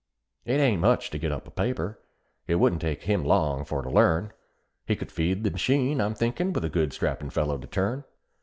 "It ain't much to get up a paper it wouldn't take him long for to learn; He could feed the machine, I'm thinkin', with a good strappin' fellow to turn.